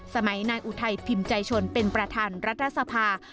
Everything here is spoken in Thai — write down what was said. นายอุทัยพิมพ์ใจชนเป็นประธานรัฐสภา